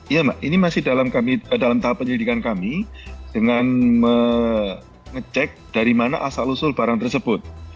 iya mbak ini masih dalam tahap penyelidikan kami dengan mengecek dari mana asal usul barang tersebut